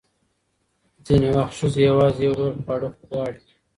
ځینې وخت ښځې یوازې یو ډول خواړه غواړي.